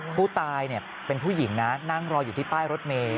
ผู้ตายเป็นผู้หญิงนะนั่งรออยู่ที่ป้ายรถเมย์